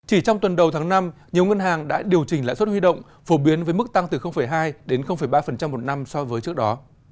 chỉ trong tuần đầu tháng năm nhiều ngân hàng đã điều chỉnh lãi suất huy động phổ biến với mức tăng từ hai đến ba một năm so với trước đó